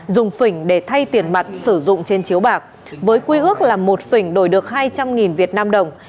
dùng phỉnh để thay tiền mặt sử dụng trên chiếu bạc với quy ước là một phỉnh đổi được hai trăm linh vnđ